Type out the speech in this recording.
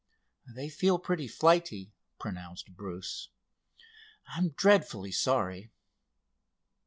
"They feel pretty flighty," pronounced Bruce. "I'm dreadfully sorry."